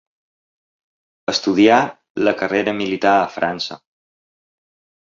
Estudià la carrera militar a França.